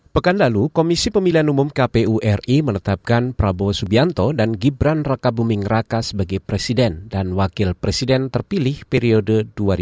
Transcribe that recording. pekan lalu komisi pemilihan umum kpu ri menetapkan prabowo subianto dan gibran rakabuming raka sebagai presiden dan wakil presiden terpilih periode dua ribu dua puluh empat dua ribu dua puluh sembilan